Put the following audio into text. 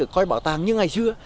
coi bảo tàng như ngày xưa